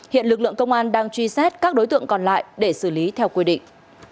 hiện lực lượng công an đang truy xét các đối tượng còn lại để xử lý theo quy định